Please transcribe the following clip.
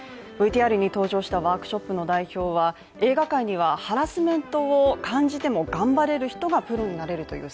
ＶＴＲに登場したワークショップの代表は映画界にはハラスメントを感じても頑張れる人がプロになれるという